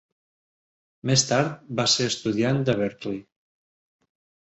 Més tard va ser estudiant de Berklee.